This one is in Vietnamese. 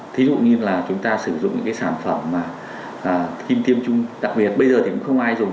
thí dụ như là chúng ta sử dụng những sản phẩm kim tiêm chung đặc biệt bây giờ thì không ai dùng